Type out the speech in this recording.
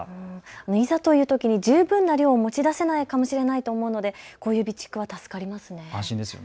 いざというときに十分な量を持ち出せないかもしれないと思うのでこういう備蓄は助かりますね。